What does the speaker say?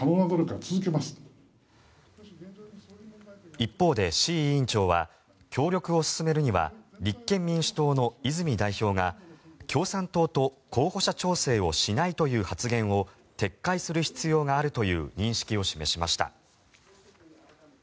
一方で志位委員長は協力を進めるには立憲民主党の泉代表が共産党と候補者調整をしないという発言を撤回する必要があるという認識を示しました。